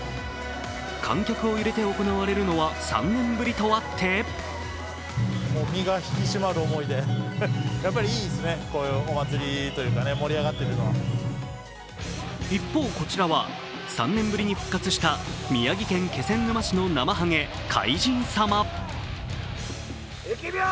観客を入れて行われるのは３年ぶりとあって一方、こちらは３年ぶりに復活した宮城県気仙沼市のなまはげ海神様。